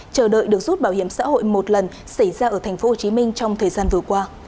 chờ đợi được rút bảo hiểm xã hội một lần xảy ra ở tp hcm trong thời gian vừa qua